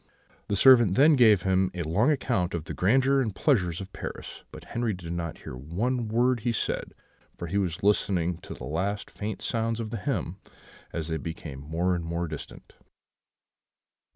"The servant then gave him a long account of the grandeur and pleasures of Paris; but Henri did not hear one word he said, for he was listening to the last faint sounds of the hymn, as they became more and more distant.